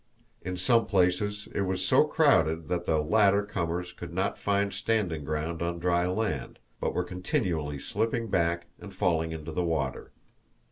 In some places it was so crowded that the later comers could not find standing ground on dry land, but were continually slipping back and falling into the water.